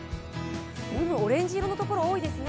オレンジ色のところが多いですね。